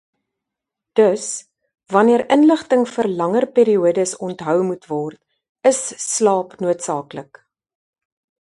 Dus, wanner inligting vir langer periodes onthou moet word, is slaap noodsaaklik.